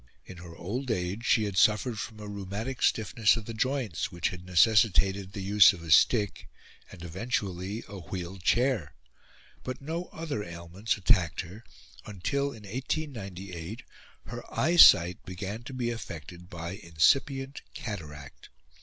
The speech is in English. In her old age, she had suffered from a rheumatic stiffness of the joints, which had necessitated the use of a stick, and, eventually, a wheeled chair; but no other ailments attacked her, until, in 1898, her eyesight began to be affected by incipient cataract.